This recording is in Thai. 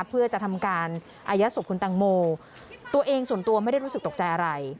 เพื่อจะทำการอายัดศพคุณตังโมตัวเองส่วนตัวไม่ได้รู้สึกตกใจอะไร